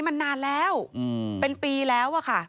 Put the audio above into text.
มันนานแล้วเป็นปีแล้ว